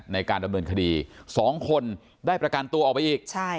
ในการดำเนินคดี๒คนได้ประกันตัวออกไปอีก